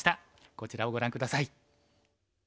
こちらをご覧下さい。